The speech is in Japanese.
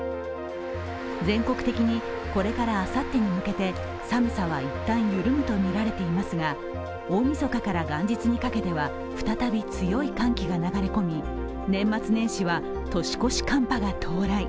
全国的にこれからあさってに向けて寒さは一旦緩むとみられていますが大みそかから元日にかけては再び強い寒気が流れ込み年末年始は年越し寒波が到来。